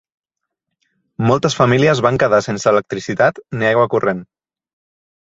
Moltes famílies van quedar sense electricitat ni aigua corrent.